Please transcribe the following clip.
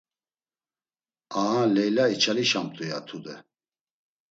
Aha Leyla içalişamt̆u ya, tude…